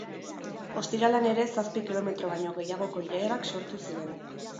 Ostiralean ere zazpi kilometro baino gehiagoko ilarak sortu ziren.